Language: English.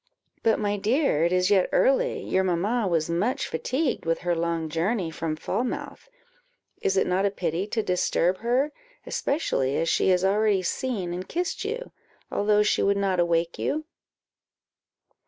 "But, my dear, it is yet early; your mamma was much fatigued with her long journey from Falmouth: is it not a pity to disturb her, especially as she has already seen and kissed you, although she would not awake you?"